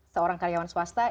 seorang karyawan swasta